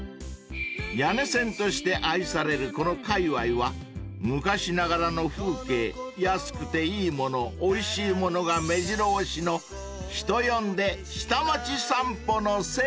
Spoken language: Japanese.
［谷根千として愛されるこのかいわいは昔ながらの風景安くていいものおいしいものがめじろ押しの人呼んで］